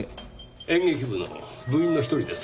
演劇部の部員の一人です。